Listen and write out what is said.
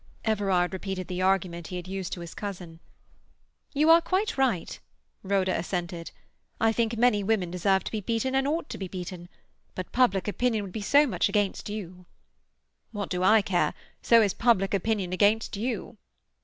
Everard repeated the argument he had used to his cousin. "You are quite right," Rhoda assented. "I think many women deserve to be beaten, and ought to be beaten. But public opinion would be so much against you." "What do I care? So is public opinion against you."